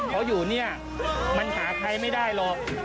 เขาอยู่เนี่ยมันหาใครไม่ได้หรอก